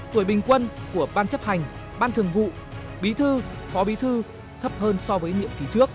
tuổi bình quân của ban chấp hành ban thường vụ bí thư phó bí thư thấp hơn so với nhiệm kỳ trước